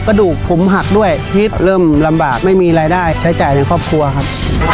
กระดูกผมหักด้วยที่เริ่มลำบากไม่มีรายได้ใช้จ่ายในครอบครัวครับ